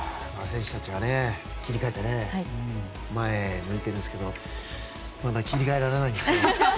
選手たちが切り替えて前へ向いているんですけどまだ切り替えられないんですよね。